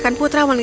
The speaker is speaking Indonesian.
kita sudah mati